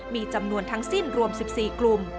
มีจำนวนทั้งสิ้นรวม๑๔กลุ่ม